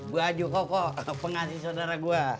baju koko pengasih saudara gue